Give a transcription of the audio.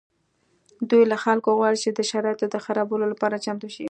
دوی له خلکو غواړي چې د شرایطو د خرابولو لپاره چمتو شي